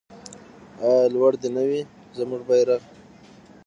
آیا لوړ دې نه وي زموږ بیرغ؟